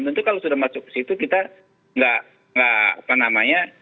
tentu kalau sudah masuk ke situ kita nggak apa namanya